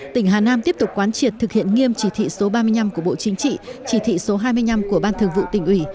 tỉnh hà nam tiếp tục quán triệt thực hiện nghiêm chỉ thị số ba mươi năm của bộ chính trị chỉ thị số hai mươi năm của ban thường vụ tỉnh ủy